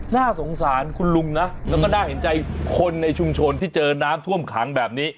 น่าสงสารคุณลุงนะแล้วก็น่าเห็นใจคนในชุมชนที่เจอน้ำท่วมขังแบบนี้